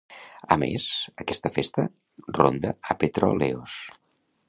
A més, aquesta festa ronda a Petróleos.